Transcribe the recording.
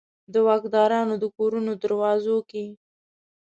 د واکدارانو د کورونو دروازو کې